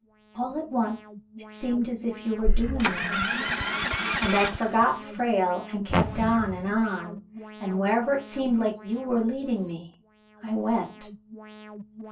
All at once it seemed as if you were Cassandra's Confession 185 doing that, and I forgot Frale and kept on and on; and wherever it seemed like you were leading me, I went.